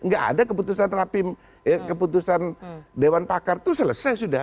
gak ada keputusan dewan pakar itu selesai sudah